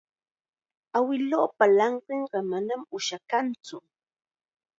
Awiluupa llanqinqa manam ushakantsu.